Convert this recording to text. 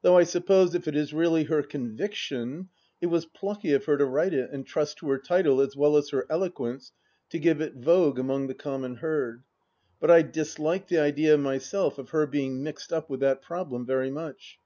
Though I suppose if it is really her conviction, it was plucky of her to write it and trust to her title, as well as her eloquence, to give it vogue among the common herd. But I disliked the idea myself of her being mixed up with that problem very much.